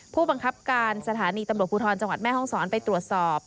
ผู้บังคับการสถานีตำรวจภูทรจังหวัดแม่ห้องศรไปตรวจสอบ